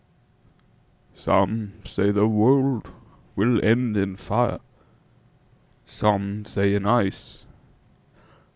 SOME say the world will end in fire, Some say in ice.